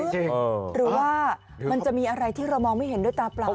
หรือว่ามันจะมีอะไรที่เรามองไม่เห็นด้วยตาเปล่า